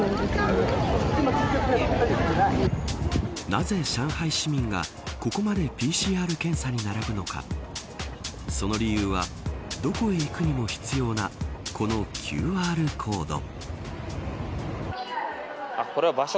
なぜ、上海市民がここまでＰＣＲ検査に並ぶのかその理由はどこへ行くにも必要なこのＱＲコード。